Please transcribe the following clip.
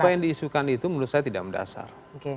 apa yang diisukan itu menurut saya tidak mendasar